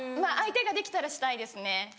相手ができたらしたいですね。